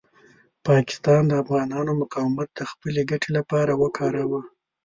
پاکستان د افغانانو مقاومت د خپلې ګټې لپاره وکاروه.